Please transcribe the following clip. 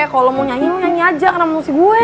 kalo lo mau nyanyi lo nyanyi aja karena menurut si gue